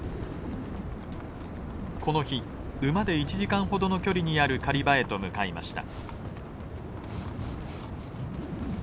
この日馬で１時間ほどの距離にある狩り場へと向かいました。